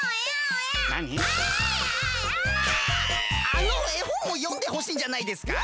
あのえほんをよんでほしいんじゃないですか？